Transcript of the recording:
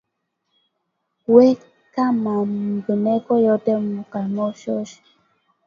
Weka ma mbeko yote mu sakoshi